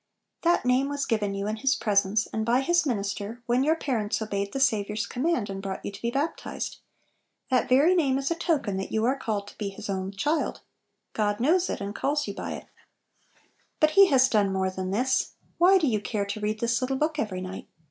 That name was given vou in Hia presence, and by His minister, when you were baptized, in obedience to our 'Saviour's command; that very name is a token that you are called to be His own child. God knows it, and calls you by it. But He has done more than this. Why do you care to read this little book every night